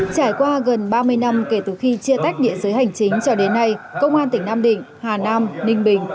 trải qua gần ba mươi năm kể từ khi chia tách địa giới hành chính cho đến nay công an tỉnh nam định hà nam ninh bình